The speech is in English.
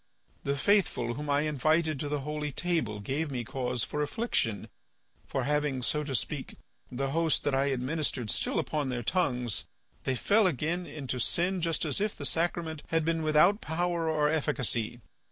The faithful whom I invited to the holy table gave me cause for affliction, for having, so to speak, the Host that I administered still upon their tongues, they fell again into sin just as if the sacrament had been without power or efficacy.